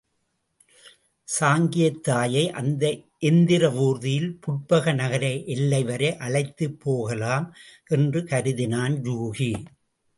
சாங்கியத் தாயை அந்த எந்திர வூர்தியில் புட்பக நகர எல்லைவரை அழைத்துப் போகலாம் என்று கருதினான் யூகி.